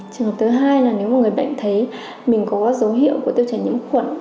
trường hợp thứ hai là nếu người bệnh thấy mình có dấu hiệu của tiêu chảy nhiễm khuẩn